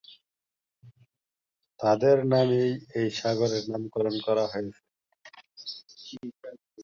তাদের নামেই এই সাগরের নামকরণ করা হয়েছে।